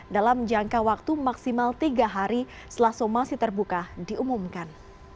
dalam jangka waktu maksimal tiga hari setelah somasi terbuka diumumkan